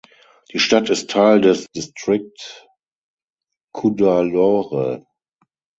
Die Stadt ist Teil des Distrikt Cuddalore.